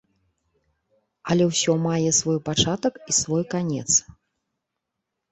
Але ўсё мае свой пачатак і свой канец.